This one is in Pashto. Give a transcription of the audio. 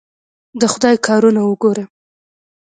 د خدای کارونه وګوره!